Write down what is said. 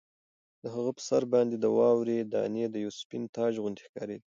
د هغه په سر باندې د واورې دانې د یوه سپین تاج غوندې ښکارېدې.